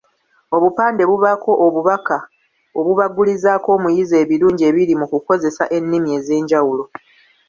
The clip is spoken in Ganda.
Obupande bubaako obubaka obubagulizaako omuyizi ebirungi ebiri mu kukozesa ennimi ezenjawulo.